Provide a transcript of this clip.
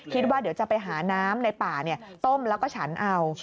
คิดว่าเดี๋ยวจะไปหาน้ำในป่าต้มแล้วก็ฉันเอา